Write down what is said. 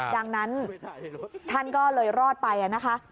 ดังนั้นท่านก็เลยรอดไปนะคะ